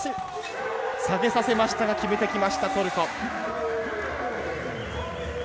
下げさせましたが決めてきましたトルコ。